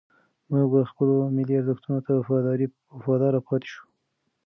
موږ به خپلو ملي ارزښتونو ته وفادار پاتې شو.